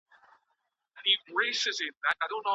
ولي ملي سوداګر طبي درمل له پاکستان څخه واردوي؟